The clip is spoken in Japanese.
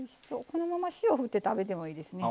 このまま塩振って食べてもいいですね。